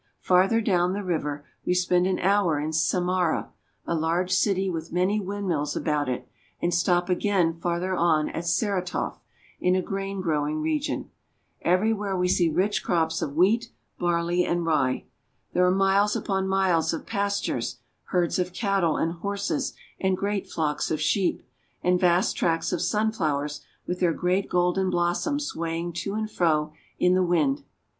Farther down the river we spend an hour in Samara, a large city with many windmills about it, and stop again CARP. EUROPE — 22 Tartar Women. — we see children everywhere. 356 Russia. farther on at Saratof, in a grain growing region. Every where we see rich crops of wheat, barley, and rye. There are miles upon miles of pastures, herds of cattle and horses, and great flocks of sheep, and vast tracts of sunflowers with their great golden blossoms swaying to and fro in the wind.